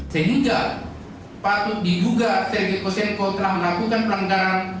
sehingga patut digugat sergei kosenko telah melakukan pelanggaran